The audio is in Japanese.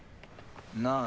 ・なあ